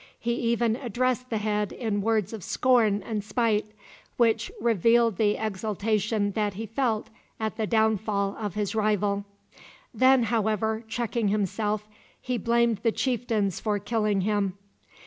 He even addressed the head in words of scorn and spite, which revealed the exultation that he felt at the downfall of his rival. Then, however, checking himself, he blamed the chieftains for killing him.